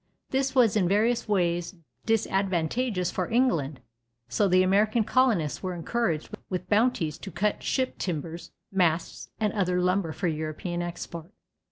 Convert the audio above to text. This was in various ways disadvantageous for England, so the American colonists were encouraged with bounties to cut ship timbers, masts and other lumber for European export.